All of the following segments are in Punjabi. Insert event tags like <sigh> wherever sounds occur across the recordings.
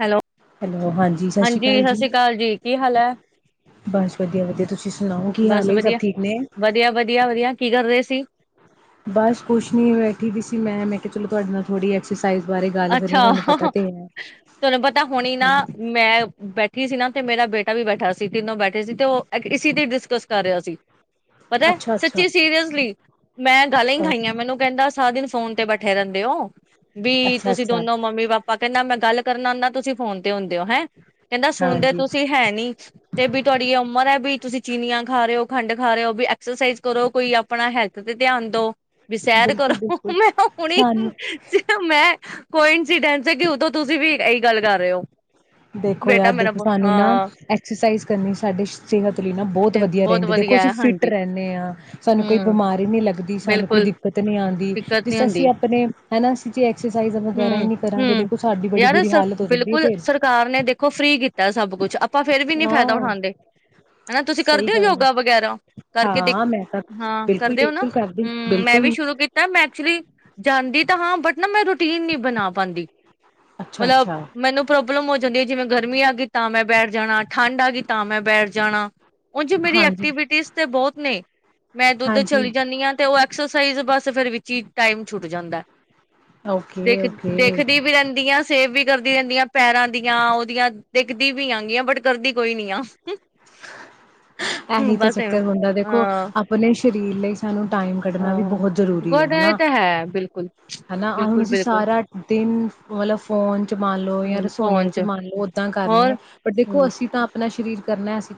ਹੈਲੋ, ਹਾਂਜੀ, ਸਤਿ ਸ੍ਰੀ ਅਕਾਲ ਜੀ। ਕੀ ਹਾਲ ਹੈ? ਬਸ ਵਧੀਆ ਵਧੀਆ ਤੁਸੀਂ ਸੁਣਾਓ ਕੀ ਹਾਲ ਬਸ ਏ ਸਭ ਠੀਕ ਨੇ ਵਧੀਆ-ਵਧੀਆ-ਵਧੀਆ-ਵਧੀਆ ਕੀ ਕਰ ਰਹੇ ਸੀ ਬਸ ਕੁੱਛ ਨੀ ਬੈਠੀ ਵੀ ਸੀ ਮੈਂ ਮੈਂ ਕਿਹਾ ਚਲੋ ਤੁਹਾਡੇ ਨਾਲ ਥੋੜੀ ਐਕ ਅੱਛਾ, ਤੁਹਾਨੂੰ ਪਤਾ ਹੁਣੀ ਨਾ, ਹਾਂ, ਮੈਂ ਬੈਠ ਕੀ ਸੀ ਨਾ, ਤੇ ਮੇਰਾ ਬੇਟਾ ਵੀ ਬੈਠਾ ਸੀ। ਤਿੰਨੋ ਬੈਠੇ ਸੀ, ਤੇ ਉਹ ਇਸ ਤੇ ਡਿਸਕਸ ਕਰ ਰਿਹਾ ਸੀ। ਪਤਾ, ਅੱਛਾ ਅੱਛਾ ਸੱਚੀ ਸੀਰੀਅਸਲੀ, ਮੈਂ ਗਾਲਾਂ ਹੀ ਓ ਖਾਈਆਂ। ਮੈਨੂੰ ਕਹਿੰਦਾ ਸਾ ਦਿਨ ਫੋਨ ਤੇ ਬੈਠੇ ਰਹਿੰਦੇ ਹੋ! ਵੀ ਅੱਛਾ ਤੁਸੀਂ ਅੱਛਾ ਦੋਨੋ, ਮੰਮੀ ਪਾਪਾ, ਕਹਿੰਦਾ, ਮੈਂ ਗੱਲ ਕਰਨਾ ਆਉਂਦਾ ਤੁਸੀਂ ਫੋਨ ਹੁੰਦੇ ਹੋ ਹੈਂ ਕਹਿੰਦਾ ਸੁਣਦੇ ਹਾਂਜੀ ਤੁਸੀਂ ਹੈ ਨੀ ਤੇ ਵੀ ਤੁਹਾਡੀ ਇਹ ਉਮਰ ਹੈ ਵੀ ਤੁਸੀਂ ਚੀਨੀਆਂ ਖਾ ਰਹੇ ਹੋ ਖੰਡ ਖਾ ਰਹੇ ਹੋ ਵੀ ਐਕਸਰਸਾਈਜ਼ ਕਰੋ ਕੋਈ ਆਪਣਾ ਹੈਲਥ ਤੇ ਧਿਆਨ ਦੋ ਬਸੈਰ ਬਿਲਕੁਲ ਕਰੋ ਬਿਲਕੁਲ ਮੈਂ ਹੁਣੇ ਸਾਨੂੰ ਮੈਂ ਕੋਈ ਇੰਸੀਡੈਂਸ ਕਿ ਉਦੋਂ ਤੁਸੀਂ ਵੀ ਇਹੀ ਗੱਲ ਕਰ ਰਹੇ ਹੋ ਦੇਖੋ ਬੇਟਾ ਯਾਰ ਮੇਰਾ ਦੇਖ ਸਾਨੂੰ ਨਾ ਹਾਂ ਐਕਸਰਸਾਈਜ਼ ਕਰਨੀ ਸਾਡੇ ਸਿਹਤ ਲਈ ਨਾ ਬੋਹੋਤ ਤੇ ਵਧੀਆ ਬਹੁਤ ਰਹਿੰਦੀ ਦੇਖੋ ਵਧੀਆ ਅਸੀਂ ਹੈ ਫਿਟ ਹਾਂਜੀ ਰਹਿੰਨੇ ਹਾਂ ਸਾਨੂੰ ਕੋਈ ਹਮ ਬਮਾਰੀ ਨਹੀਂ ਲੱਗਦੀ ਸਾਨੂੰ ਕੋਈ ਬਿਲਕੁਲ ਦਿੱਕਤ ਨੀ ਆਨਦੀ ਦਿੱਕਤ ਨੀ ਜਿਸ ਹੁੰਦੀ ਅਸੀਂ ਆਪਣੇ ਹੈਨਾ ਅਸੀਂ ਜ ਐਕਸਰਸ- ਵਗੈਰਾ ਹੀ ਹੂੰ, ਨਹੀਂ ਕਰਾਂਗੇ ਹੂੰ। ਦੇਖੋ ਸਾਡੀ ਬੜੀ ਬੁਰੀ ਹਾਲਤ ਹੋ ਜਾਂਦੀ ਹੈ ਫੇਰ। ਸਾਰਨੇ ਦੇਖੋ ਫ੍ਰਰੀ ਕੀਤਾ ਸਭ ਕੁਛ ਆਪਾਂ ਫੇਰ ਵੀ ਨੀ ਫੈਦਾ ਹਾਂ ਉਠਾਂਦੇ ਨਾ ਤੁਸੀਂ ਸਹੀ ਕਰਦੇ ਹੋ ਗੱਲ ਹੈ ਯੋਗਾ ਵਗੈਰਾ ਕਰਕੇ ਦੇਖ ਹਾਂ ਮੈਂ ਤਾਂ ਹਾਂ ਬਿਲਕੁਲ ਕਰਦੇ ਹੋ ਨਾ ਬਿਲਕੁਲ ਕਰਦੀ ਹਮ ਮੈਂ ਵੀ ਬਿਲਕੁਲ ਸ਼ੁਰੂ ਕੀਤਾ ਮੈਂ ਐਕਚੁਲੀ ਜਾਕੇ ਹਾਂ ਬਟਨਾ ਮੈਂ ਰ ਤੀਨ ਨਹੀਂ ਬਣਾ ਪਾਉਂਦੀ ਅੱਛਾ ਮਤਲਬ ਅੱਛਾ ਮੈਨੂੰ ਪ੍ਰ ਪ੍ਰੋਬਲਮ ਹੋ ਜਾਂਦੀ ਹੈ, ਜਿਵੇਂ ਗਰਮੀ ਆ ਗਈ ਤਾਂ ਮੈਂ ਬੈਠ ਜਾਣਾ, ਠੰਡ ਆ ਗਈ ਤਾਂ ਮੈਂ ਬੈਠ ਜਾਣਾ। ਉਝ ਮੇਰੀ ਹਾਂਜੀ ਐਕਟੀਵਿਟੀਜ ਤੇ ਬਹੁਤ ਨੇ, ਮੈਂ ਦੁੱਧ ਹਾਂਜੀ ਚਲੀ ਜਾਂਦੀ ਹਾਂ ਤੇ ਉਹ ਐਕਸਰਸਾਈਜ਼ ਬਸ ਸਫ਼ਰ ਵਿੱਚ ਹੀ ਟਾਈਮ ਛੁੱਟ ਜਾਂਦਾ। ਓਕੇ ਦੇਖ, ਓਕੇ ਦੇਖਦੀ ਵੀ ਰਹਿੰਦੀ ਆ ਸੇਵ ਵੀ ਕਰਦੀ ਰਹਿੰਦੀਆਂ ਪੈਰਾਂ ਦੀਆਂ, ਉਹਦੀਆਂ ਦਿਖਦੀ ਵੀ ਆਂ ਗਆਂ ਬਟ ਕਰਦੀ ਕੋਈ ਨੀ ਆ। ਏਹੀ ਹੂੰ ਤਾਂ ਬਸ ਐਵੇਂ ਚੱਕਰ ਹੁੰਦਾ ਦੇਖੋ ਹਾਂ ਆਪਣੇ ਸਰੀਰ ਲਈ ਸਾਨੂੰ ਟਾਈਮ ਕੱਢਣਾ ਵੀ ਹਾਂ ਬਹੁਤ ਜ਼ਰੂਰੀ ਹੈ ਗੁਡ ਇਹ ਤਾਂ ਹੈ ਬਿਲਕੁਲ ਹੇਨਾ-ਹੇਨਾ ਹੁਣ ਬਿਲਕੁਲ ਅਸੀਂ ਬਿਲਕੁਲ ਸਾਰਾ ਦਿਨ ਮਤਲਬ ਫੋਨ ਚ ਮੰਨ ਲਓ ਜਾਂ ਹੂੰ ਰਸੋਈਆਂ ਫੋਨ ਚ ਮੰਨ ਲਓ ਓਦਾਂ ਕਰ ਹੋਰ ਲਈਏ ਪਰ ਦੇਖੋ ਅਸੀਂ ਤਾਂ ਆਪਣਾ ਸ਼ਰੀਰ ਕਰਨਾ ਹੈ ਅਸੀ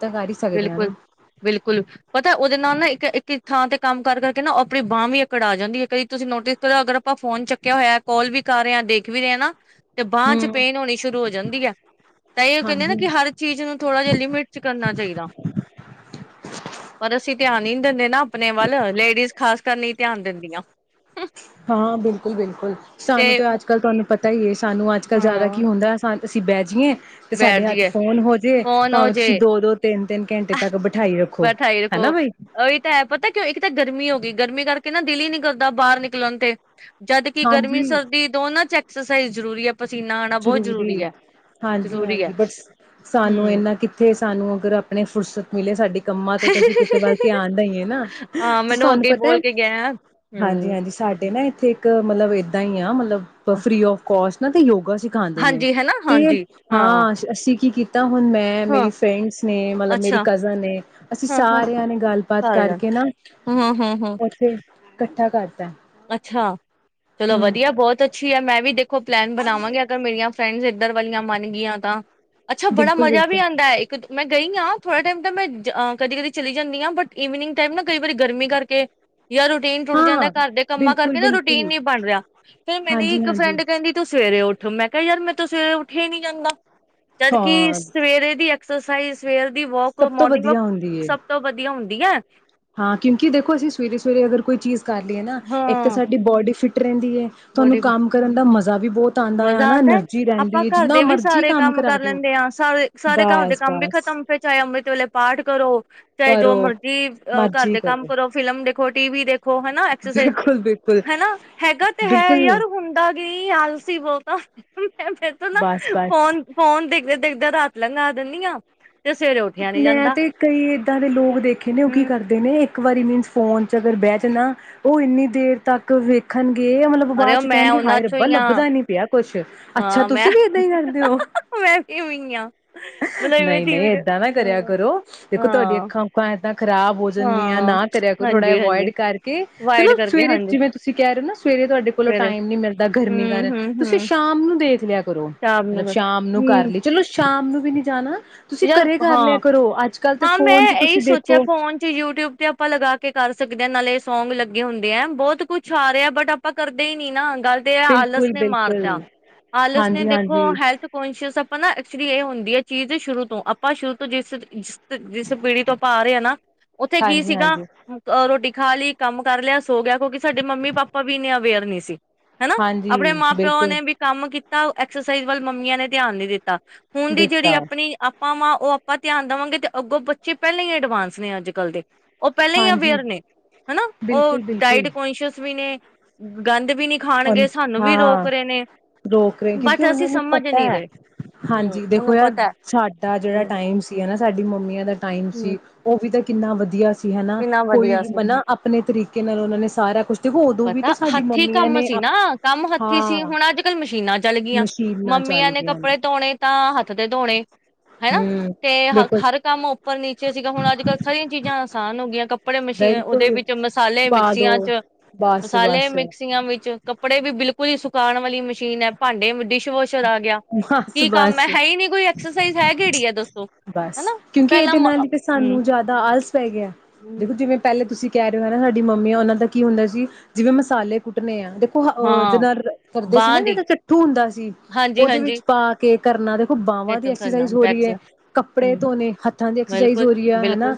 ਬਿਲਕੁਲ-ਬਿਲਕੁਲ ਪਤਾ ਉਹਦੇ ਨਾਲ ਨਾ ਇੱਕ-ਇੱਕ ਥਾਂ ਤੇ ਕੰਮ ਕਰ-ਕਰ ਕੇ ਨਾ, ਉਹ ਆਪਣੀ ਬਾਂਹ ਵੀ ਅਕੜ ਆ ਜਾਂਦੀ ਹੈ। ਕਦੀ ਤੁਸੀਂ ਨੋਟਿਸ ਕਰਓ ਅਗਰ ਆਪਾਂ ਫੋਨ ਚੁੱਕਿਆ ਹੋਇਆ, ਕਾਲ ਵੀ ਕਰ ਰਹੇ ਹਾਂ ਦੇਖ ਵੀ ਰਹੇ ਹਾਂ ਨਾ। ਤੇ ਬਾਂਹ ਚ ਹਮ ਪੇਨ ਹੋਣੀ ਸ਼ੁਰੂ ਹੋ ਜਾਂਦੀ ਹੈ। ਤਾਂ ਇਹ ਕਹਿੰਦੇ ਨਾ ਹਾਂਜੀ ਕਿ ਹਰ ਚੀਜ਼ ਨੂੰ ਥੋੜ੍ਹਾ ਜਿਹਾ ਮਿਕਸ ਕਰਨਾ ਚਾਹੀਦਾ ਪਰ ਅਸੀਂ ਧਿਆਨ ਹੀ ਨਹੀਂ ਦਿੰਦੇ ਨਾ ਆਪਣੇ ਵੱਲ ਲੇਡੀਜ਼ ਖਾਸ ਕਰ ਨਹੀਂ ਧਿਆਨ ਦਿੰਦੀਆਂ। ਹਾਂ ਬਿਲਕੁਲ-ਬਿਲਕੁਲ, ਸਾਨੂੰ ਤੇ ਅੱਜ ਕੱਲ੍ਹ ਤੁਹਾਨੂੰ ਪਤਾ ਤਾਂ ਹੀ ਇਹ। ਸਾਨੂੰ ਅੱਜ ਕੱਲ੍ਹ ਜ਼ਿਆਦਾ ਹਾਂ ਕੀ ਹੁੰਦਾ ਸਾਨੂੰ ਅਸੀਂ ਬੈਜੀਏ! ਤੇ ਬੈਠ ਸਾਡੇ ਹੱਥ ਜਈਏ ਫੋਨ ਹੋਜੇ ਕੌਣ ਹੋ ਭਾਵੇਂ ਜੇ ਤੁਸੀਂ ਦੋ-ਦੋ ਤਿੰਨ-ਤਿੰਨ ਘੰਟੇ ਤੱਕ ਬਿਠਾਈ ਰੱਖੋ, ਬੈਠਾਈ ਰੱਖੋ ਹਨਾ ਬਾਈ। ਉਹੀ ਤਾਂ ਹੈ ਪਤਾ ਕਿਉਂ ਇੱਕ ਤਾਂ ਗਰਮੀ ਹੋ ਗਰਮੀ ਕਰਕੇ ਨਾ ਦਿਲ ਹੀ ਨਹੀਂ ਕਰਦਾ ਬਾਹਰ ਨਿਕਲਣ ਤੇ। ਜਦ ਕਿ ਗਰਮੀ ਹਾਂਜੀ ਸਰਦੀ ਦੋਨਾਂ ਚ ਐਕਸਰਸਾਈਜ਼ ਜ਼ਰੂਰੀ ਹੈ। ਪਸੀਨਾ ਆਉਣਾ ਬਹੁਤ ਜ਼ਰੂਰੀ ਹੈ। ਜ ਹੈ ਜੀ ਬਟ ਸਾਨੂੰ ਹਮ ਇਹਨਾ ਕਿੱਥੇ ਸਾਨੂੰ ਅਗਰ ਆਪਣੇ ਫੁਰਸਤ ਮਿਲੇ ਸਾਡੀ ਕੰਮਾਂ ਤੋਂ ਤੇ ਅਸੀਂ ਕਿਸੇ ਵੱਲ ਧਿਆਨ ਦਈਏ ਨਾ। ਤੇ ਹਾਂ ਮੈਨੂੰ ਤੁਹਾਨੂੰ ਅੱਗੇ ਹੀ ਪਤਾ ਹੈ! ਬੋਲ ਕੇ ਗਿਆ ਹਮ ਹਾਂਜੀ-ਹਾਂਜੀ ਸਾਡੇ ਨਾ ਇੱਥੇ ਇੱਕ ਮਤਲਬ ਏਦਾਂ ਹੀ ਆ ਮਤਲਬ ਫ੍ਰੀ ਆਫ ਕੋਸਟ ਮੈ ਤੇ ਯੋਗਾ ਸਿਖਾਉਦੇ ਨੇ ਹਾਂਜੀ ਹਨਾ ਤੇ ਹਾਂਜੀ ਹਾਂ ਅਸੀਂ ਕੀ ਕੀਤਾ ਤਾਂ ਹੁਣ ਮੈਂ ਹਾਂ ਮੇਰੀ ਫਰੈਂਡਸ ਨੇ ਮਤਲਬ ਮੇਰੀ ਅੱਛਾ ਕਜ਼ਨ ਨੇ ਅਸੀਂ ਹਾਂ ਹਾਂ ਸਾਰਿਆਂ ਨੇ ਗੱਲਬਾਤ ਸਾਰੇ ਜਾਣੇ ਕਰਕੇ ਨਾ ਹਮ ਹਮ ਹਮ ਉੱਥੇ ਇਕੱਠਾ ਕਰਦਾ ਅੱਛਾ ਚਲੋ ਵਧੀਆ ਬਹੁਤ ਅੱਛੀ ਆ ਮੈਂ ਵੀ ਦੇਖ ਕੋ ਪਲੈਨ ਬਣਾਵਾਂਗੇ ਤਾਂ ਮੇਰੀਆਂ ਫਰੈਂਡ ਉਧਰ ਵਾਲੀਆਂ ਬਨ ਗਈਆਂ ਤਾਂ ਅੱਛਾ ਬੜਾ ਬਿਲਕੁਲ ਮਜ਼ਾ ਵੀ ਬਿਲਕੁਲ ਆਉਂਦਾ ਹੈ ਇੱਕ ਮੈਂ ਗਈ ਹਾਂ ਥੋੜ੍ਹਾ ਟਾਈਮ ਤਾਂ ਮੈਂ ਕਦੀ ਕਦੀ ਚਲੀ ਜਾਂਦੀ ਹਾਂ ਬਟ ਈਵਨਿੰਗ ਟਾਈਮ ਨਾ ਕਈ ਵਾਰੀ ਗਰਮੀ ਕਰਕੇ ਜਾਂ ਰੂਟੀਨ ਟੁੱਟ ਜਾਂਦਾ ਹਾਂ ਘਰ ਦੇ ਕੰਮਾਂ ਬਿਲਕੁਲ ਕਰਕੇ ਨਾ ਰੂਟੀਨ ਬਿਲਕੁਲ ਨੀ ਬਣ ਰਿਹਾ ਫਿਰ ਮੇਰੀ ਹਾਂਜੀ ਇੱਕ ਹਾਂਜੀ ਫਰੈਂਡ ਕਹਿੰਦੀ ਤੂੰ ਸਵੇ ਸਵੇਰੇ ਉੱਠ ਮੈਂ ਕਿਹਾ ਯਾਰ ਮੈਂ ਤੂੰ ਸਵੇਰੇ ਉੱਠੇ ਹੀ ਨੀ ਜਾਂਦਾ ਜਦਕਿ ਹਾਂ ਸਵੇਰੇ ਦੀ ਐਕਸਰਸਾਈਜ਼ ਦੀ ਵੋਕ ਸਭ ਤੋਂ ਮੋਰਨਿੰਗ ਵਧੀਆ ਹੁੰਦੀ ਵੋਕ ਏ ਸਭ ਤੋਂ ਵਧੀਆ ਹੁੰਦੀ ਹੁੰਦੀ ਏ ਹਾਂ ਕਿਉਂਕਿ ਦੇਖੋ ਅਸੀਂ ਸਵੇਰੇ ਸਵੇਰੇ ਅਗਰ ਕੋਈ ਚੀਜ਼ ਕਰ ਨਾ ਇੱਕ ਤਾਂ ਹਾਂ ਸਾਡੀ ਬੋਡੀ ਫਿਟ ਟ੍ਰੇਨ ਤੁਹਾਨੂੰ ਬੜੀ ਕੰਮ ਕਰਨ ਦਾ ਮਜ਼ਾ ਵੀ ਬਹੁਤ ਆਉਂਦਾ ਹੈ ਮਜ਼ਾ ਨਾ ਆਉਂਦਾ ਐਨਰਜੀ ਆਪਾਂ ਰਹਿੰਦੀ ਹੈ ਘਰ ਜਿੰਨਾ ਦੇ ਵੀ ਮਰਜੀ ਸਾਰੇ ਕੰਮ ਕਰਾ ਕਰ ਦੋ ਲੈਂਦੇ ਹਾਂ ਸਾਰੇ ਸਾਰੇ ਘਰ ਦੇ ਬਸ ਕੰਮ ਵੀ ਬਸ ਖਤਮ ਚਾਹੇ ਅੰਮ੍ਰਿਤ ਵੇਲੇ ਪਾਠ ਕਰੋ ਚਾਹੇ ਜੋ ਕਰੋ ਮਰਜੀ ਅ ਘਰ ਦੇ ਕੰਮ ਕਰੋ ਫਿਲਮ ਦੇਖੋ ਟੀ ਵੀ ਦੇਖੋ <unintelligible> ਹਨਾ ਐਕਸਰਸਾਈਜ਼ ਬਿਲਕੁਲ ਬਿਲਕੁਲ ਹਨਾ ਹੈਗਾ ਤੇ ਹੈ ਬਿਲਕੁਲ ਯਾਰ ਹੁੰਦਾ ਕੀ ਤਾਂ ਮੈਂ ਨਾ ਬਸ ਬਸ ਫੋਨ ਫੋਨ ਦੇਖਦੇ ਡਿੱਗਦਾ ਰਾਤ ਲੰਘਾ ਦਿੰਦੀ ਹਾਂ ਮੈਂ ਤੇ ਕਈ ਏਦਾਂ ਦੇ ਲੋਕ ਦੇਖੇ ਨੇ ਉਹ ਕੀ ਹੂੰ ਕਰਦੇ ਨੇ ਇੱਕ ਵਾਰੀ ਮੀਨਸ ਫੋਨ ਅਗਰ ਬਹਿ ਜਾਣਾ ਉਹ ਇੰਨੀ ਦੇਰ ਤੱਕ ਵੇਖਣ ਕੇ ਮਤਲਬ ਅਰੇ ਬਾਅਦ ਉਹ ਚ ਮੈਂ ਕਹਿਣਗੇ ਉਹਨਾਂ ਹਾਏ ਚੋਂ ਰੱਬਾ ਹੀ ਹਾਂ ਲੱਭਦਾ ਨੀ ਪਿਆ ਕੁੱਛ, ਅੱਛਾ ਹਾਂ ਮੈਂ ਤੁਸੀਂ ਵੀ ਏਦਾਂ ਹੀ ਕਰਦੇ ਹੋ ਮੈਂ ਵੀ ਇਵੇਂ ਈ ਆ। ਮਤਲਬ ਇਵੇਂ ਨਹੀਂ, ਨਹੀਂ ਦੇ ਟੀਵੀ ਹੋ। ਏ ਨਾ ਕਰਿਆ ਹਾਂ ਕਰੋ ਦੇਖੋ ਹਾਂ। ਤੁਹਾਡੀੀਆਂ ਅੱਖਾਂ, ਅੱਖਾਂ ਖ਼ਰਾਬ ਹੋ ਜਾਣਗੀਆਂ, ਹਾਂ, ਨਾ ਕਰਿਆ ਕੋ ਥੋੜ੍ਹਾ ਹਾਂਜੀ-ਹਾਂਜੀ ਅਵੋਇਡ ਕਰਕੇ ਵਾਈਡ ਚਲੋ ਕਰਕੇ ਸਵੇਰੇ ਹਾਂਜੀ ਜਿਵੇਂ ਤੁਸੀਂ ਕਹਿ ਰਹੇ ਹੋ ਨਾ ਸਵੇਰੇ ਤੁਹਾਡੇ ਕੋਲੋਂ ਸਵੇਰੇ ਟਾਈਮ ਨੀ ਮਿਲਦਾ ਗਰਮੀ ਕਾਰਨ ਤੁਸੀਂ ਹੂੰ-ਹੂੰ-ਹੂੰ ਸ਼ਾਮ ਨੂੰ ਦੇਖ <unintelligible> ਕਰੋ ਸ਼ਾਮ ਨੂੰ ਮਤਲਬ ਸ਼ਾਮ ਨੂੰ ਕਰ ਹੂੰ ਲਈ, ਚਲੋ ਸ਼ਾਮ ਨੂੰ ਵੀ ਨੀ ਜਾਣਾ ਤੁ ਯਾਰ ਘਰੇ ਕਰ ਲਿਆ ਹਾਂ। ਕਰੋ ਅੱਜ ਕੱਲ੍ਹ ਤੇ ਹਾਂ, ਫੋਨ ਮੈਂ ਚ ਇਹੀ ਤੁਸੀਂ ਸੋਚਿਆ, ਦੇਖੋ ਫੋਨ ਚ ਯੂਟਿਊਬ ਤੇ ਆਪਾਂ ਲਗਾ ਕੇ ਕਰ ਸਕਦੇ ਹਾਂ। ਨਾਲੇ ਸੌਂਗ ਲੱਗੇ ਹੁੰਦੇ ਆ, ਬਹੁਤ ਕੁੱਛ ਆ ਰਿਹਾ ਬਟ ਆਪਾਂ ਕਰਦੇ ਹੀ ਨੀ ਨਾ ਗੱਲ ਤੇ ਇਹ ਹੈ, ਬਿਲਕੁਲ ਆਲਸ ਨੇ ਮਾਤਾ, ਬਿਲਕੁਲ ਆਲਸ ਨੇ ਹਾਂਜੀ ਦੇਖੋ ਹਾਂਜੀ ਹੈਲਥ ਕੋਂਸ਼ੀਅਸ ਪਰ ਨਾ ਐਕਚੁਲੀ ਇਹ ਹੁੰਦੀ ਹੈ ਚੀਜ਼ ਸ਼ੁਰੂ ਤੋਂ, ਆਪਾਂ ਸ਼ੁਰੂ ਤੋਂ ਜਿਸ ਜਿਸ ਪੀੜ੍ਹੀ ਤੋਂ ਆਪਾਂ ਆ ਰਹੇ ਆ ਨਾ ਉੱਥੇ ਕੀ ਹਾਂਜੀ ਸੀਗਾ ਹਾਂਜੀ ਰੋਟੀ ਖਾਲੀ, ਕੰਮ ਕਰ ਲਿਆ, ਸੌ ਗਿਆ, ਕਿਉਂਕਿ ਸਾਡੇ ਮੰਮੀ ਪਾਪਾ ਵੀ ਇੰਨੇ ਅਵੇਅਰ ਨਹੀਂ ਸੀ। ਹਨਾ, ਹਾਂਜੀ ਆਪਣੇ ਮਾਂ ਪਿਓ ਬਿਲਕੁਲ ਨੇ ਵੀ ਕੰਮ ਕੀਤ ਤਾਂ ਐਕਸਰਸਾਈਜ਼ ਵੱਲ, ਮੰਮੀਆਂ ਨੇ ਧਿਆਨ ਨੀ ਦਿੱਤਾ। ਹੁਣ ਦੀ ਜਿਹੜੀ ਦਿੱਤਾ ਆਪਣੀ ਆਪਾਂ ਵਾ ਉਹ ਆਪਾਂ, ਧਿਆਨ ਦੇਵਾਂਗੇ ਤੇ ਅੱਗੋਂ ਬੱਚੇ ਪਹਿਲਾਂ ਹੀ ਐਡਵਾਂਸ ਨੇ ਅੱਜ ਕੱਲ੍ਹ ਦੇ ਉਹ ਪਹਿਲਾਂ ਹੀ ਹਾਂਜੀ ਅਵੇਅਰ ਨੇ ਹਨਾ ਉਹ ਬਿਲਕੁਲ ਬਿਲਕੁਲ ਡਾਇਟ ਕੋਂਸ਼ੀਅਸ ਵੀ ਨੇ ਗੰਦ ਵੀ ਨਹੀਂ ਖਾਣਗੇ ਸਾਨੂੰ ਵੀ ਰੋਕ ਹਾਂ ਰਹੇ ਨੇ ਰੋਕ ਰਹੇ, ਕਿਉਂਕਿ ਬਟ ਅਸੀਂ ਉਹਨਾਂ ਨੂੰ ਸਮਝ ਪਤਾ ਨਹੀਂ ਹੈ, ਰਹੇ ਹਾਂਜੀ ਦੇਖੋ ਉਹਨੂੰ ਯਾਰ ਪਤਾ ਸਾਡਾ ਜਿਹੜਾ ਟਾਈਮ ਸੀ ਨਾ ਸਾਡਾ ਮੰਮੀਆਂ ਦਾ ਟਾਈਮ ਸੀ, ਉਹ ਵੀ ਤਾਂ ਕਿੰਨਾ ਵਧੀਆ ਸੀ। ਹਨਾ, ਕਿੰਨਾ ਕੋਈ ਵਧੀਆ ਵੀ ਸੀ। ਮਨਾ ਆਪਣੇ ਤਰੀਕੇ ਨਾਲ ਉਹਨਾਂ ਨੇ ਸਾਰਾ ਤੇ ਉਦੋਂ ਵੀ ਤੇ ਪਤਾ ਸਾਡੀ ਹੱਥੀ ਮੰਮੀਆਂ ਕੰਮ ਨੇ ਸੀ ਨਾ ਕੰਮ ਹੱਥੀ ਸੀ, ਹਾਂ ਹੁਣ ਅੱਜ ਕੱਲ੍ਹ ਮਸ਼ੀਨਾਂ ਚੱਲ ਗਈਆਂ, ਮਸ਼ੀਨਾਂ ਮੰਮੀਆਂ ਚੱਲ ਨੇ ਗਈਆਂ ਕੱਪੜੇ ਧੋਣੇ ਤਾਂ ਹੱਥ ਧੋਣੇ ਹਨਾ, ਹਮ ਤੇ ਬਿਲਕੁਲ ਹਰ ਕੰਮ ਉੱਪਰ ਨੀਚੇ -ਸੀਗਾ, ਹੁਣ ਅੱਜ ਕੱਲ੍ਹ ਸਾਰੀਆਂ ਚੀਜ਼ਾਂ ਆਸਾਨ ਹੋ ਗਈਆਂ, ਕੱਪੜੇ ਮਸ਼ੀਨ ਉਹਦੇ ਬਿਲਕੁਲ ਵਿੱਚ ਮਸਾਲੇ ਪਾ ਦੋ ਮਿਕਸੀਆਂ ਚ ਬਸ ਮਸਾਲੇ ਬਸ ਮਿਕਸੀਆਂ, ਵਿੱਚ ਕੱਪੜੇ ਵੀ ਬਿਲਕੁਲ ਹੀ ਸੁਕਾਣ ਵਾਲੀ ਮਸ਼ੀਨ ਹੈ, ਭਾਂਡੇ ਡਿਸ਼ ਡਿਸ਼ ਵਾਸ਼ਰ ਗਿਆ, ਬਸ ਕੀ ਕੰਮ ਹੈ, ਬਸ ਹੈ ਹੀ ਨਹੀਂ ਕੋਈ, ਐਕਸਰਸਾਈਜ਼ ਹੈ ਕਿਹੜੀ ਹੈ ਦੱਸੋ ਬਸ ਹਨਾ। ਕਿਉਂਕਿ ਪਹਿਲਾਂ ਇਹਦੇ ਨਾਲ ਹੀ ਤੇ ਹਮ ਸਾਨੂੰ ਜ਼ਿਆਦਾ ਆਲਸ ਪੈ ਗਿਆ। ਦੇਖੋ, ਹਮ ਜਿਵੇਂ ਪਹਿਲਾਂ ਤੁਸੀਂ ਕਹਿ ਰਹੇ ਹੋ ਨਾ, ਸਾਡੀ ਮੰਮੀ ਆ, ਉਹਨਾਂ ਦਾ ਕੀ ਹੁੰਦਾ ਸੀ ਜਿਵੇਂ ਮਸਾਲੇ ਕੁੱਟਣੇ ਆ ਤੇ ਦੇ ਹਾਂ ਨਾਲ ਕਰਦੇ ਸੀ ਬਾਂਹ ਨਾ ਦੀ ਜਿਹੜਾ ਚਟੂ ਹੁੰਦਾ ਸੀ। ਉਹਦੇ ਹਾਂਜੀ-ਹਾਂਜੀ ਵਿੱਚ ਪਾ ਕੇ ਕੇ ਕਰਨਾ ਤੇ ਕਰਨਾ ਕੱਪੜੇ <unintelligible> ਧੋਣੇ ਹੱਥਾਂ ਦੀ ਐਕਸਰਸਾਈਜ਼ ਹੋ ਬਿਲਕੁਲ। ਰਹੀ ਆ ਬਿਲਕੁਲ। ਹਨਾ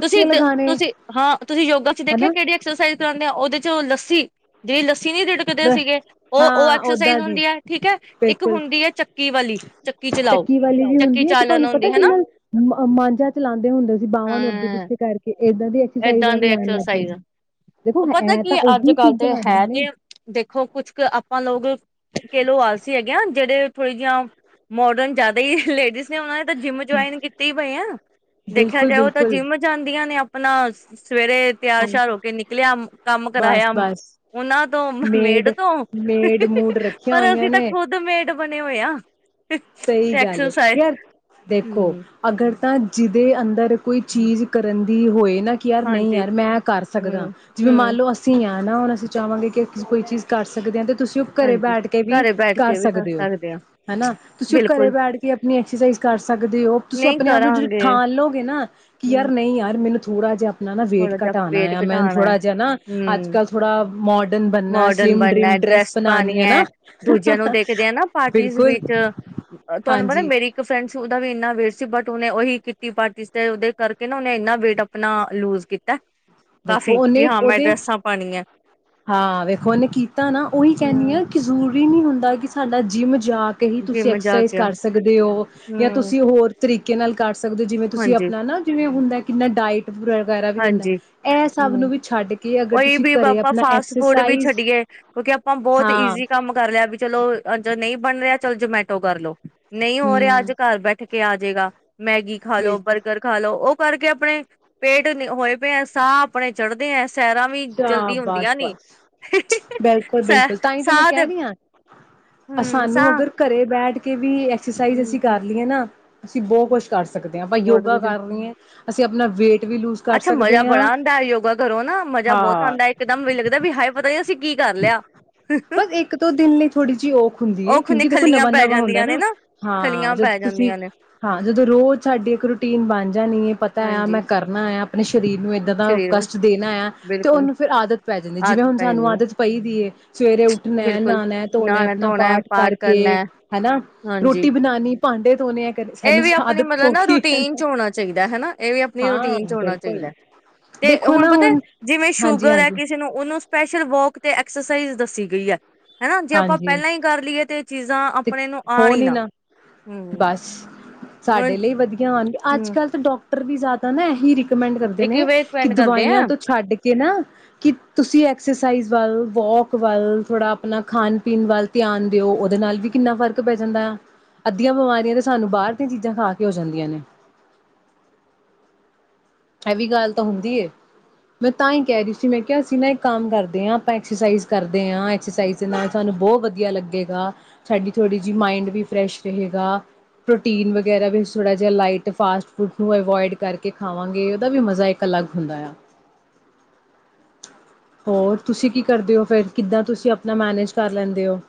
ਤੁਸੀਂ ਲਗਾਣੇ ਤੁਸੀਂ ਹਾਂ ਤੁਸੀਂ ਯੋਗਾ ਚ ਦੇਖਿਆ ਹਨਾ ਕਿਹੜੀ ਐਕਸਰਸਾਈਜ਼ ਕਰਾਦੇ ਉਹਦੇ ਚੋਂ ਲੱਸੀ ਦੇ ਲੱਸੀ ਸੀ ਨ ਡੀਡਕਦੇ ਸੀਗੇ। ਉਹ ਉਹ ਹਾਂ ਐਕਸਰਸਾਈਜ਼ ਓਦਾਂ ਦੀ ਹੁੰਦੀ ਹੈ। ਠੀਕ ਹੈ। ਇੱਕ ਬਿਲਕੁਲ ਹੁੰਦੀ ਹੈ। ਚੱਕੀ ਵਾਲੀ ਚ ਚੱਕੀ ਵਾਲੀ ਵੀ ਹੁੰਦੀ ਹੈ। ਇੱਕ ਤੁਹਾਨੂੰ ਪਤਾ ਜਿਹਨਾ ਮਾਂਝਾ ਚਲਾਉਂਦੇ ਹੁੰਦੇ ਸੀ। ਬਾਹਵਾਂ ਨੂੰ ਅੱਗੇ ਹਾਂ ਪਿੱਛੇ ਕਰਕੇ ਏਦਾਂ ਦੀ ਐਕਸਰਸਾਈਜ਼ਾਂ ਏਦਾਂ ਵੀ ਦੇ ਆਉਣ ਲੱਗਆਂ ਐਕਸਰਸਾਈਜ਼ ਨੇ। ਦੇਖੋ ਉਹ ਪਤਾ ਹੈ ਤਾਂ ਕੀ ਅੱਜ ਉਹੀ ਕੱਲ ਤੇ ਚੀਜ਼ਾਂ ਆ ਗਈਆਂ ਹੈ ਤੇ ਨੇ। ਦੇਖੋ। ਕੁਛ ਕੁ ਆਪਾਂ ਲੋਕ ਕਹਲੋ ਆ ਸੀ ਹੈਗੇ ਆ। ਜਿਹੜੇ ਥੋੜੀ ਜਿਆਂ ਮੋਡਰਨ ਜ਼ਿਆਦਾ ਹੀ ਲੇਡੀਜ਼ ਨੇ ਉਹਨਾਂ ਨੇ ਤਾਂ ਜਿੰਮ ਜੁਆਇਨ ਕੀਤੀ ਪਏ ਆ। ਦੇਖਿਆ ਬਿਲਕੁਲ ਜਾਓ ਤਾਂ ਬਿਲਕੁਲ ਜਿੰਮ ਜਾਂਦੀਆਂ ਨੇ। <inaudible> ਸਵੇਰੇ ਤਿਆਰ ਹਾਂ, ਸ਼ਿਆਰ ਹੋ ਕੇ ਨਿਕਲਿਆ ਕੰਮ ਬਸ ਕਰਾਇਆ ਬਸ ਉਹਨਾਂ ਤੋਂ ਮੇਡ ਤੋਂ ਮੇਡ ਮੂਡ ਰੱਖੀਆਂ ਪਰ ਹੋਈਆਂ ਅਸੀਂ ਤਾਂ ਨੇ ਖੁਦ ਮੇਟ ਬਣੇ ਹੋਏ ਆ। ਤੇ ਸਹੀ ਗੱਲ ਏ। ਐਕਸਰਸਾਈਜ਼ ਯਾਰ ਦੇਖੋ ਹੂੰ ਅਗਰ ਤਾਂ ਜਿਹਦੇ ਅੰਦਰ ਕੋਈ ਚੀਜ਼ ਕਰਨ ਦੀ ਹੋਏ। <unintelligible> ਕਿ ਯਾਰ ਨਹੀਂ ਹਾਂਜੀ ਯਾਰ ਮੈਂ ਕਰ ਸਕਦਾ। ਹੂੰ ਜਿਵੇਂ ਮੰਨ ਹੂੰ ਲਓ ਅਸੀਂ ਆ ਨਾ ਹੁਣ ਅਸੀਂ ਚਾਹਾਂਗੇ ਕਿ ਅਸੀਂ ਕੋਈ ਚੀਜ਼ ਕਰ ਸਕਦੇ ਹਾਂ ਤੇ ਤੁਸੀਂ ਉਹ ਘਰੇ ਹਾਂਜੀ ਬੈਠ ਕੇ ਵੀ ਘਰੇ ਬੈਠ ਕਰ ਕੇ ਵੀ ਸਕਦੇ ਹੋ। ਹਾਂ ਹਨਾ। ਤੁਸੀਂ ਉਹ ਘਰੇ ਬਿਲਕੁਲ ਬੈਠ ਕੇ ਆਪਣੀ ਐਕਸਰਸਾਈਜ਼ ਕਰ ਸਕਦੇ ਹੋ। ਤੁਸੀਂ ਨਹੀਂ ਆਪਣੇ ਆਪ ਨੂੰ ਜਿਹੜੀ ਕਰਾਂਗੇ ਠਾਂਣ ਲਓਗੇ ਨਾ ਕਿ ਯਾਰ ਨਹੀਂ ਯਾਰ ਮੈਨੂ ਥੋੜਾ ਜਿਹਾ ਨਾ ਨਾ ਵੇਟ ਥੋੜਾ ਜਿਹਾ ਘਟਾਉਣਾ ਪੇਟ ਆ ਮੈ ਘਟਾਣਾ ਹੈ ਥੋੜਾ ਜਿਹਾ ਨਾ ਅੱਜ ਹੂੰ ਕੱਲ੍ਹ ਥੋੜਾ ਮੋਡਰਨ ਬਣਨਾ ਮੋਡਰਨ ਸਲਿਮ ਬਣਨਾ ਡਰਿਮ ਹੈ ਡਰੈਸ ਬਣਾਉਣੀ ਪਾਣੀ ਹੈ ਨਾ ਦੂਜਿਆਂ ਨੂੰ <unintelligible> ਦੇਖਦੇ ਆ ਨਾ ਪਾਰਟੀਜ਼ ਬਿਲਕੁਲ। ਵਿੱਚ ਤੁਹਾਨੂੰ ਪਤਾ ਹਾਂਜੀ ਮੇਰੀ ਇੱਕ ਫਰੈਂਡ ਸੀ ਉਹਦਾ ਵੀ ਇੰਨਾ ਵੇਸਟ ਬਟ ਉਹਨੇ ਉਹੀ ਕੀਤੀ ਪਾਰਟੀ ਤੇ ਉਹਦੇ ਕਰਕੇ ਨਾ ਉਹਨੇ ਇੰਨਾ ਵੇਟ ਆਪਣਾ ਲੂਜ ਕੀਤਾ। ਦੇਖੋ, ਕਾਫੀ ਵੀ ਉਹਨੇ ਹਾਂ ਮੈਂ ਉਹਦੇ ਡਰੈਸਾਂ ਪਾਣੀਆਂ ਹਾਂ ਵੇਖੋ ਉਹਨੇ ਕੀਤਾ ਨਾ ਉਹੀ ਕਹਿੰਨੀ ਹੂੰ ਹਾਂ ਕਿ ਜ਼ਰੂਰੀ ਨਹੀਂ ਹੁੰਦਾ ਕਿ ਸਾਡਾ ਜਿੰਮ ਜਾ ਕੇ ਹੀ ਤੁਸੀਂ ਜਿਮ ਜਾ ਐਕਸਰਸਾਈਜ਼ ਕੇ ਆ। ਕਰ ਸਕਦੇ ਹੋ ਜਾਂ ਹੂੰ ਤੁਸੀਂ ਹੋਰ ਤਰੀਕੇ <unintelligible> ਕਟ ਸਕਦੇ ਹੋ ਜਿਵੇਂ ਤੁਸੀਂ ਹਾਂਜੀ ਆਪਣਾ ਨਾ ਜਿਵੇਂ ਹੁੰਦਾ ਕਿੰਨਾ ਡਾਇਟ ਬਰਾ ਵਗੈਰਾ ਵੀ ਹੁੰਦਾ ਇਹ ਸਭ ਨੂੰ ਹਮ ਵੀ ਛੱਡ ਕੇ ਅਗਰ ਉਹੀ ਤੁਸੀਂ ਵੀਾਂ ਘਰੇ ਆਪਣਾ ਫਾਸਟ ਫੂਡ ਵੀ ਐਕਸਰਸਾਈਜ਼ ਛੱਡੀਏ ਕਿਉਂਕਿ ਆਪਾਂ ਬਹੁਤ ਹਾਂ ਈਜ਼ੀ ਕੰਮ ਕਰ ਲਿਆ ਵੀ ਚਲੋ ਅੰ ਨਹੀਂ ਬਣ ਰਿਹਾ ਚੱਲ ਜਮੈਟੋ ਕਰਲੋ ਨਹੀਂ ਹੋ ਰਿਹਾ ਹਮ ਅੱਜ ਘਰ ਬੈਠੇ ਕੇ ਆ ਜਾੇਗਾ ਮੈਗੀ ਖਾ ਲ ਲੋ ਬਿਲਕੁਲ ਬਰਗਰ ਖਾ ਲ ਲੋਓ ਕਰਕੇ ਆਪਣੇ ਪੇਟ ਹੋਏ ਪਏ ਹੈ ਸਾਹ ਆਪਣੇ ਚੜ੍ਹਦੇ ਹੈ ਸੈਰਾਂ ਵੀ ਚ ਜਲਦੀ ਬਸ ਹੁੰਦੀਆਂ ਨੀ ਬਸ ਬਿਲਕੁਲ ਸੈ ਬਿਲਕੁਲ ਤਾਂਹੀ ਤਾਂ ਮੈਂ ਸਾਹ ਤੇ ਕਹਿ ਰਹੀ ਹਾਂ ਹਮ ਸਾਨੂੰ ਸਾਹ ਅਗਰ ਘਰੇ ਬੈਠ ਕੇ ਵੀ ਐਕਸਰਸਾਈਜ਼ ਹਮ ਅਸੀਂ ਹਮ ਕਰ ਲਈਏ ਨਾ ਅਸੀਂ ਬਹੁਤ ਕੁਛ ਕਰ ਸਕਦੇ ਹਾਂ ਆਪਾਂ ਬਹੁਤ ਯੋਗਾ ਕੁਛ ਕਰ ਲਈਏ ਅਸੀਂ ਆਪਣਾ ਵੇਟ ਵੀ ਲੂਜ ਕਰ ਅੱਛਾ ਮਜ਼ਾ ਸਕਦੇ ਬੜਾ ਹਾਂ ਆਉਂਦਾ ਯੋਗਾ ਕਰੋ ਨਾ ਮਜ਼ਾ ਬਹੁਤ ਹਾਂ ਆਉਂਦਾ ਇੱਕਮ ਮ ਲੱਗਦਾ ਵੀ ਹੈਏ ਪਤਾੀ ਅਸੀਂ ਕੀ ਕਰ ਲਿਆ ਬਸ ਇੱਕ ਤੋਂ ਦਿਨ ਲਈ ਥੋੜ੍ਹੀ ਜਿਹੀ ਔਖ ਹੁੰਦੀ ਹੈ ਉਹ ਖੁਨੇ ਕਿਉਂਕਿ ਦੇਖੋ ਖੱਲੀਆਂ ਨਵਾਂ ਪੈ ਨਵਾਂ ਹੁੰਦਾ ਜਾਂਦੀਆਂ ਨੇ ਨਾ ਹਾਂ ਖੱਲੀਆਂ ਪੈ ਜਦੋਂ ਤੁਸੀਂ ਜਾਂਦੀਆਂ ਨੇ ਹਾਂ ਜਦੋਂ ਰੋਜ਼ ਸਾਡੀ ਇੱਕ ਰੂਟੀਨ ਬਣ ਜਾਣੀ ਹੈ ਆ ਹਾਂਜੀ ਮੈਂ ਕਰਨਾ ਆ ਆਪਣੇ ਸਰੀਰ ਨੂੰ ਇੱਦਾਂ ਦਾ ਸਰੀਰ ਕਸ਼ਟ ਦੇਣਾ ਆ ਤੇ ਬਿਲਕੁਲ ਉਹਨੂੰ ਫਿਰ ਆਦਤ ਪੈ ਜਾਂਦੀ ਜਿਵੇਂ ਆਦਤ ਹੁਣ ਪੈ ਸਾਨੂੰ ਜਾਂਦੀ ਆ ਆਦਤ ਪਈ ਦੀਏ ਸਵੇਰੇ ਉੱਠਣਾ ਬਿਲਕੁਲ ਨਹਾਣਾ ਧੋਣਾ ਨਹਾਣਾ ਆਪਣਾ ਹੈ ਪਾਠ ਕਰਕੇ ਕਰਨਾ ਹੈ ਹਨਾ ਹਾਂਜੀ ਰੋਟੀ ਬਣਾਉਣੀ ਭਾਂਡੇ ਧੋਣੇ ਹੈ ਕਦੇ ਇਹ ਸਾਨੂੰ ਵੀ ਆਪਣੇ ਆਦਤ ਮਤਲਬ ਹੋ ਨਾ ਗਈ ਰੂਟੀਨ ਹਨਾ ਚ ਹੋਣਾ ਚਾਹੀਦਾ ਹਨਾ ਇਹ ਵੀ ਆਪਣੀ ਰੂਟੀਨ ਚ ਹੋਣਾ ਚਾਹੀਦਾ ਤੇ ਦੇਖੋ ਹੁਣ ਨਾ ਪਤਾ ਜਿਵੇਂ ਹਾਂਜੀ ਸ਼ੂਗਰ ਹੈ ਹਾਂਜੀ ਕਿਸੇ ਨੂੰ ਉਹਨੂੰ ਸਪੈਸ਼ਲ ਤੇ ਐਕਸਰਸਾਈਜ਼ ਦੱਸੀ ਗਈ ਹੈ ਹਨਾ ਜੇ ਆਪਾਂ ਹਾਂਜੀ ਪਹਿਲਾਂ ਹੀ ਕਰ ਲਈਏ ਤਾਂ ਇਹ ਚੀਜ਼ਾਂ ਆਪਣੇ ਨੂੰ ਆਉਣ ਹੀ ਨਾ ਬਸ ਹਮ ਹੁਣ ਸਾਡੇ ਲਈ ਵਧੀਆ ਅੱਜ ਹਮ ਕੱਲ੍ਹ ਤਾਂ ਡਾਕ ਵੀ ਜ਼ਿਆਦਾ ਨਾ ਇਹੀ ਰਿਕ ਰਿਕੌਮੈਡ ਕਰਦੇ ਇੱਕ ਨੇ ਵੇ ਕਿ ਪੈਂਡ ਕਰਦੇ ਆ ਦਵਾਈਆਂ ਤੋਂ ਛੱਡ ਕੇ ਨਾ ਕਿ ਤੁਸੀਂ ਐਕਸਰਸਾਈਜ਼ ਵੱਲ ਵੋਕ ਵੱਲ ਥੋੜ੍ਹਾ ਆਪਣਾ ਖਾਣ ਪੀਣ ਵੱਲ ਧਿਆਨ ਦਿਓ ਉਹਦੇ ਨਾਲ ਵੀ ਕਿੰਨਾ ਫ਼ਰਕ ਪੈ ਜਾਂਦਾ ਆ ਅੱਧੀਆਂ ਬਿਮਾਰੀਆਂ ਤਾਂ ਸਾਨੂੰ ਬਾਹਰ ਦੀਆਂ ਚੀਜ਼ਾਂ ਖਾ ਕੇ ਹੋ ਜਾਂਦੀਆਂ ਨੇ ਇਹ ਵੀ ਗੱਲ ਤਾਂ ਹੁੰਦੀ ਹੈ ਮੈਂ ਤਾਂ ਹੀ ਕਹਿ ਰਹੀ ਸੀ ਮੈਂ ਕਿਹਾ ਅਸੀਂ ਨਾ ਇੱਕ ਕੰਮ ਕਰਦੇ ਹਾਂ ਆਪਾਂ ਐਕਸਰਸਾਈਜ਼ ਕਰਦੇ ਹਾਂ ਐਕਸਰਸਾਈਜ਼ ਦੇ ਨਾਲ ਸਾਨੂੰ ਬਹੁਤ ਵਧੀਆ ਲੱਗੇਗਾ ਸਾਡੀ ਥੋੜ੍ਹੀ ਜਿਹੀ ਮਾਇੰਡ ਵੀ ਫਰੈਸ਼ ਰਹੇਗਾ ਪ੍ਰੋਟੀਨ ਵਗੈਰਾ ਵੀ ਥੋੜ੍ਹਾ ਜਿਹਾ ਲਾਈਟ ਫਾਸਟ ਫੂਡ ਨੂੰ ਅਵੋਇਡ ਕਰਕੇ ਖਾਵਾਂ ਖਾਵਾਗੇ ਉਹਦਾ ਵੀ ਮਜ਼ਾ ਇੱਕ ਅਲੱਗ ਹੁੰਦਾ ਆ ਹੋਰ ਤੁਸੀਂ ਕੀ ਕਰਦੇ ਹੋ ਫਿਰ ਕਿੱਦਾਂ ਤੁਸੀਂ ਆਪਣਾ ਮੈਨੇਜ ਕਰ ਲੈਂਦੇ ਹੋ